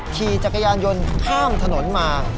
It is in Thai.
ขี่จักรยานยนต์ข้ามถนนมา